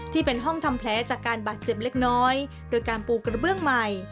ที่เป็นห้องทำแผลจากการบาดเจ็บเล็กน้อยโดยการปูกระเบื้องใหม่